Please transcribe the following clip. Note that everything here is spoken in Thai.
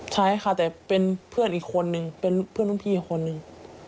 ใช่ค่ะแต่เป็นเพื่อนอีกคนนึงเป็นเพื่อนรุ่นพี่อีกคนนึง